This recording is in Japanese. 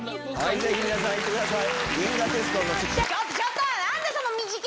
ぜひ皆さん行ってください。